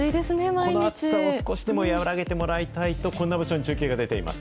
この暑さを少しでも和らげてもらいたいと、こんな場所に中継が出ています。